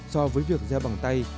so với việc gieo bằng tay